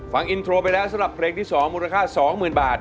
ฟังอินโทรไปแล้วสำหรับเพลงที่๒มูลค่า๒๐๐๐บาท